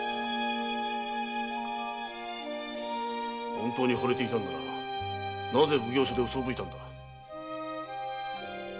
本当に惚れていたのならなぜ奉行所でうそぶいたのだ？